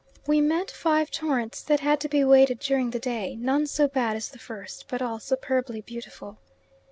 We met five torrents that had to be waded during the day; none so bad as the first but all superbly beautiful.